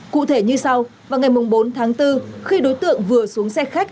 cụ thể như sau vào ngày bốn tháng bốn khi đối tượng vừa xuống xe khách